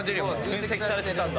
分析されてたんだ。